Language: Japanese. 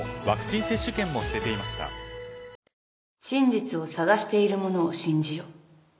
「真実を探しているものを信じよ」